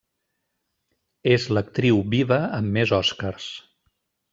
És l'actriu viva amb més Oscars.